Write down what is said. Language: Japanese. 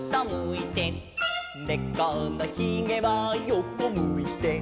「ねこのひげは横むいて」